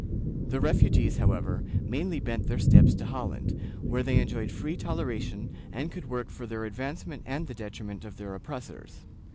The refugees, however, mainly bent their steps to Holland, where they enjoyed free toleration and could work for their own ad vancement and the detriment of their oppressors.